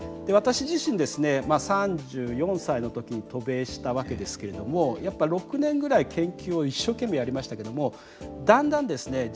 私自身ですね３４歳の時に渡米したわけですけれどもやっぱ６年ぐらい研究を一生懸命やりましたけどもだんだんですね